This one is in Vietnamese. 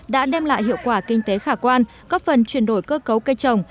đã đem lại hiệu quả kinh tế khả quan góp phần chuyển đổi cơ cấu cây trồng